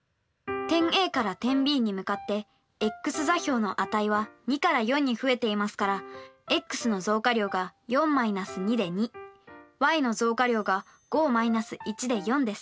点Ａから点Ｂに向かってｘ座標の値は２から４に増えていますからｘの増加量が４−２で２ｙの増加量が５−１で４です。